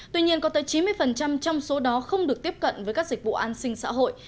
tuy nhiên có tới chín mươi trong số đó không được tiếp cận với các dịch vụ an sinh xã hội